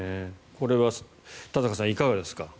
これは田坂さん、いかがですか？